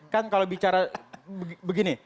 kan kalau bicara begini